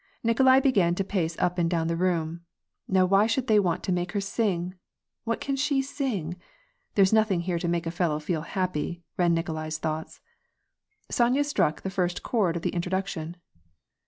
Nikolai began to pace up and down the room. " Now why should they want to make her sing? What can she sing? There's nothing here to make a fellow feel happy !" ran Nikolai's thoughts. Sonya stnick the first chord of the introduction.